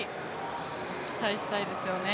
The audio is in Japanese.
期待したいですよね。